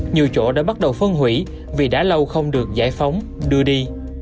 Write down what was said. nhiều chỗ đã bắt đầu phân hủy vì đã lâu không được giải phóng đưa đi